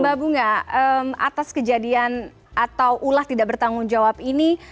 mbak bunga atas kejadian atau ulah tidak bertanggung jawab ini